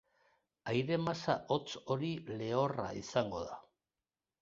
Aire masa hotz hori lehorra izango da.